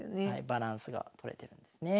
バランスが取れてるんですね。